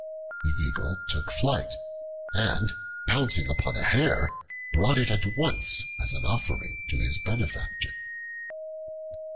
The Eagle took flight, and pouncing upon a hare, brought it at once as an offering to his benefactor.